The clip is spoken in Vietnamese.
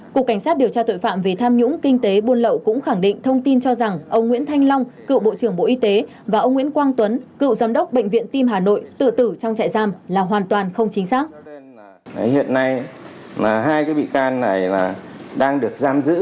cục cảnh sát điều tra tội phạm về tham nhũng kinh tế buôn lậu cũng khẳng định thông tin cho rằng ông nguyễn thanh long cựu bộ trưởng bộ y tế và ông nguyễn quang tuấn cựu giám đốc bệnh viện tim hà nội tự tử trong trại giam là hoàn toàn không chính xác